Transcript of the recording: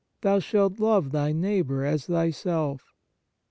... Thou shalt love thy neighbour as thyself."!